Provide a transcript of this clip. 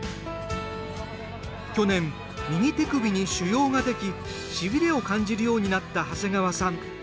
去年、右手首に腫瘍ができしびれを感じるようになった長谷川さん。